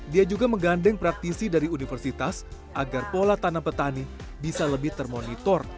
dia juga menggandeng praktisi dari universitas agar pola tanam petani bisa lebih termonitor